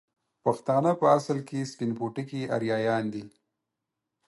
پښتانه په اصل کې سپين پوټکي اريايان دي